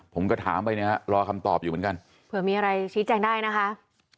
ผมก็ถามไปเนี่ยรอคำตอบอยู่เหมือนกันเผื่อมีอะไรชี้แจงได้นะคะ